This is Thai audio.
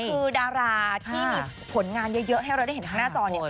คือดาราที่มีผลงานเยอะให้เราได้เห็นข้างหน้าจอเนี่ย